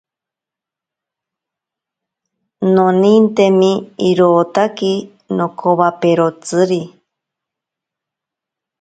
Nonintemi irotaki nokowaperotsiri.